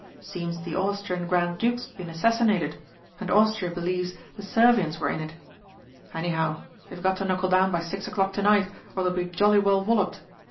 Seems the Austrian Grand Duke's been assassinated, and Austria believes the Servians were in it. Anyhow, they've got to knuckle down by six o'clock to night or they'll be jolly well walloped.